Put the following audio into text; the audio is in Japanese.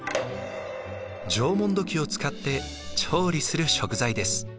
縄文土器を使って調理する食材です。